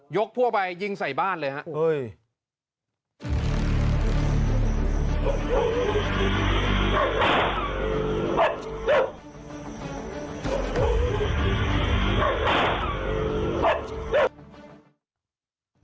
ยกพวกไปยิงใส่บ้านเลยฮะ